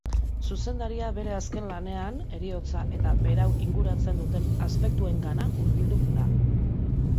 Zuzendaria bere azken lanean heriotza eta berau inguratzen duten aspektuengana hurbildu da.